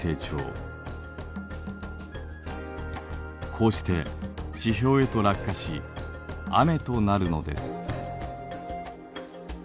こうして地表へと落下し雨となるのです。